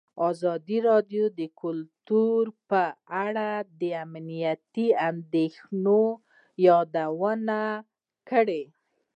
ازادي راډیو د کلتور په اړه د امنیتي اندېښنو یادونه کړې.